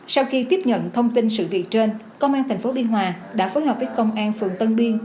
sau khi tiếp nhận thông tin sự việc trên công an tp biên hòa đã phối hợp với công an phường tân biên